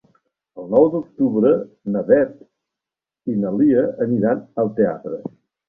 El nou d'octubre na Beth i na Lia aniran al teatre.